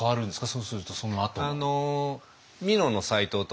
そうするとそのあと。